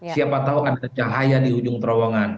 siapa tahu ada cahaya di ujung terowongan